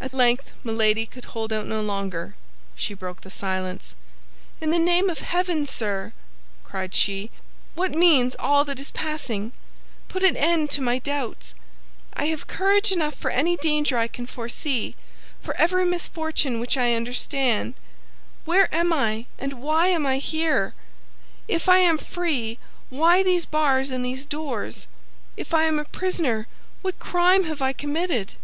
At length Milady could hold out no longer; she broke the silence. "In the name of heaven, sir," cried she, "what means all that is passing? Put an end to my doubts; I have courage enough for any danger I can foresee, for every misfortune which I understand. Where am I, and why am I here? If I am free, why these bars and these doors? If I am a prisoner, what crime have I committed?"